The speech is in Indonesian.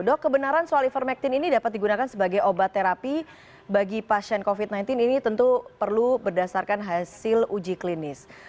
dok kebenaran soal ivermectin ini dapat digunakan sebagai obat terapi bagi pasien covid sembilan belas ini tentu perlu berdasarkan hasil uji klinis